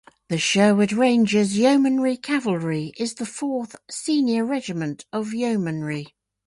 The Sherwood Rangers Yeomanry Cavalry is the fourth senior regiment of Yeomanry.